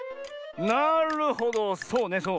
なるほどそうねそう。